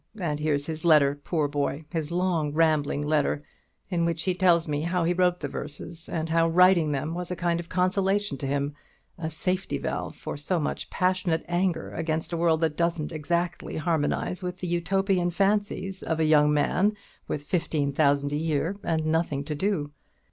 And here's his letter, poor boy! his long rambling letter, in which he tells me how he wrote the verses, and how writing them was a kind of consolation to him, a safety valve for so much passionate anger against a world that doesn't exactly harmonize with the Utopian fancies of a young man with fifteen thousand a year and nothing to do.